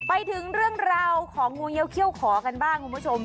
ไปถึงเรื่องราวของงูเยี้ยเขี้ยวขอกันบ้างคุณผู้ชม